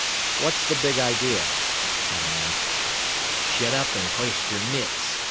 "What's the big idea?" Tom asked. "Shut up and hoist your mitts!"